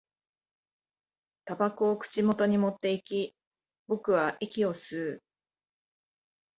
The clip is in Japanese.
煙草を口元に持っていき、僕は息を吸う